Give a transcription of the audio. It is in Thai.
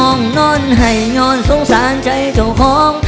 ห้องนอนให้นอนสงสารใจเจ้าของ